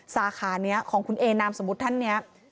สาขานี้ของคุณเอนามสมมุติท่านนี้